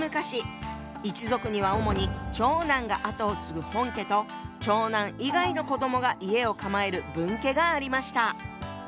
一族には主に長男が跡を継ぐ「本家」と長男以外の子どもが家を構える「分家」がありました。